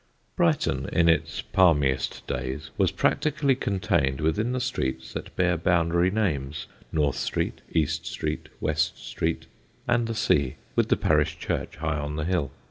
Brighton in its palmiest days was practically contained within the streets that bear boundary names, North Street, East Street, West Street, and the sea, with the parish church high on the hill.